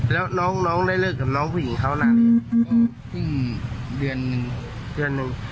แล้วน้องน้องได้เลิกกับน้องผู้หญิงเขานานหรือยังก็ครึ่งเดือนนึงเดือนนึง